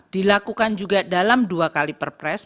dilakukan juga dalam dua kali perpres